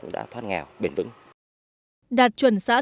đạt chuẩn xã sơn nam